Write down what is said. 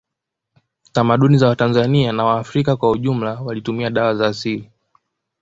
Tamaduni za watanzani na waafrika kwa ujumla walitumia dawa za asili